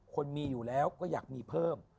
คนมีอยู่แล้วก็อยากมีเพิ่ม